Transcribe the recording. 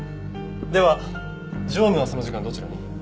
では常務はその時間どちらに？